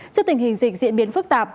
trước tình hình dịch diễn biến phức tạp